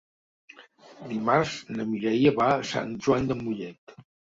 Dimarts na Mireia va a Sant Joan de Mollet.